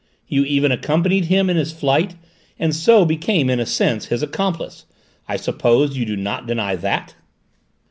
You even accompanied him in his flight, and so became in a sense his accomplice. I suppose you do not deny that?"